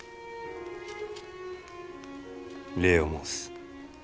礼を申す。